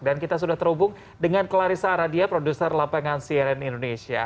dan kita sudah terhubung dengan clarissa aradia produser lapangan crn indonesia